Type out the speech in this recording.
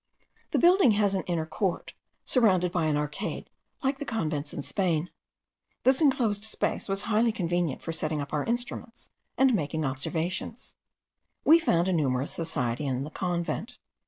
The building has an inner court, surrounded by an arcade, like the convents in Spain. This enclosed place was highly convenient for setting up our instruments and making observations. We found a numerous society in the convent.